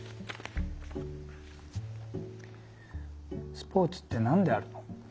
「スポーツってなんであるの？」